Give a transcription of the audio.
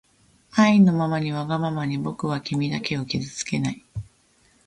あいのままにわがままにぼくはきみだけをきずつけない